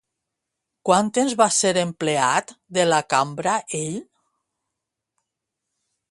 Quant temps va ser empleat de la cambra ell?